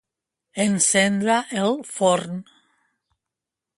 Encendre el forn.